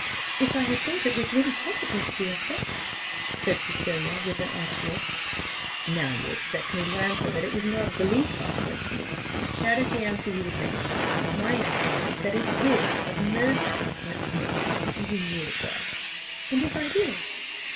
"If I had thought it was of any consequence to you, Esther," said Cecilia, with an arch look "Now you expect me to answer that it was not of the least consequence to me that is the answer you would make; but my answer is, that it was of consequence to me, and you knew it was." "And if I did?"